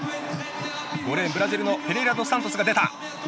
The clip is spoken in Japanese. ５レーンブラジルのフェレイラドスサントスが出た。